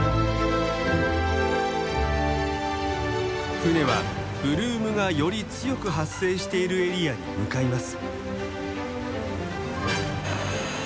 船はブルームがより強く発生しているエリアに向かいます。